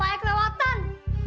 pak ya kelewatan